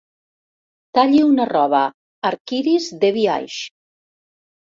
Talli una roba arc-iris de biaix.